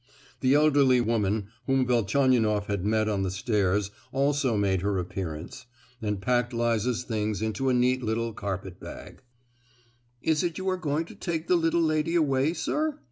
The elderly woman whom Velchaninoff had met on the stairs also made her appearance, and packed Liza's things into a neat little carpet bag. "Is it you that are going to take the little lady away, sir?"